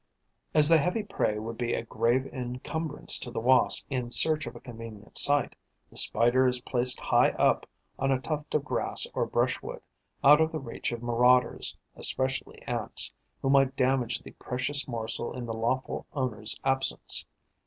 As the heavy prey would be a grave encumbrance to the Wasp in search of a convenient site, the Spider is placed high up, on a tuft of grass or brushwood, out of the reach of marauders, especially Ants, who might damage the precious morsel in the lawful owner's absence.